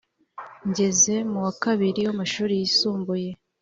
ngeze mu wa kabiri w’amashuri yisumbuye,